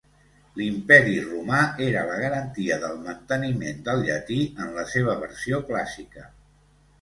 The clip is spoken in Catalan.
L'Imperi Romà era la garantia del manteniment del llatí en la seva versió clàssica.